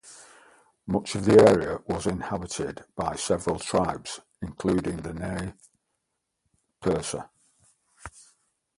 Much of the area was inhabited by several tribes, including the Nez Perce.